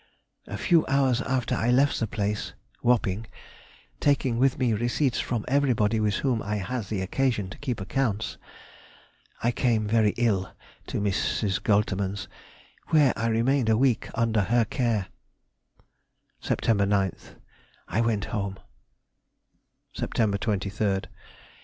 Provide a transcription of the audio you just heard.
A few hours after I left the place [Wapping], taking with me receipts from everybody with whom I had had occasion to keep accounts. I came very ill to Mrs. Goltermann's, where I remained a week under her care. Sept. 9th.—I went home. _Sept. 23rd.